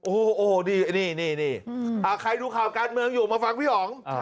โอ้โหดีนี่นี่นี่อ่ะใครรู้ข่าวการเมืองอยู่มาฟังพี่อ๋อง